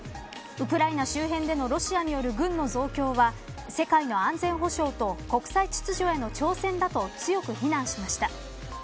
ウクライナ周辺でのロシアによる軍の増強は世界の安全保障と国際秩序への挑戦だと強く非難しました。